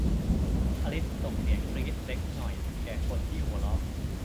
อลิซส่งเสียงกรี๊ดเล็กหน่อยแก่คนที่หัวเราะ